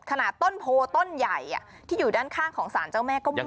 ขนาดต้นโพต้นใหญ่ที่อยู่ด้านข้างของสารเจ้าแม่ก็มี